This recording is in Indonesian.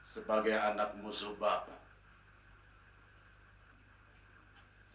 sebagai anak musuh bapak